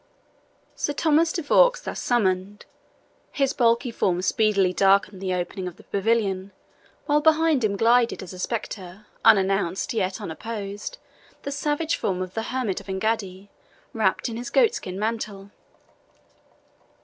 Sir Thomas de Vaux thus summoned, his bulky form speedily darkened the opening of the pavilion, while behind him glided as a spectre, unannounced, yet unopposed, the savage form of the hermit of Engaddi, wrapped in his goatskin mantle.